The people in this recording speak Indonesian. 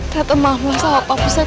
tata maaf lah sama pak pesat